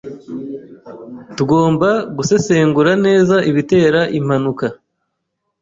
Tugomba gusesengura neza ibitera impanuka.